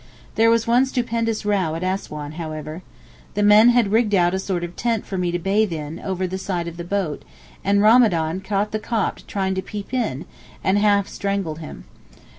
There was one stupendous row at Assouan, however. The men had rigged out a sort of tent for me to bathe in over the side of the boat, and Ramadan caught the Copt trying to peep in, and half strangled him.